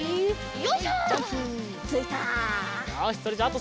よいしょ！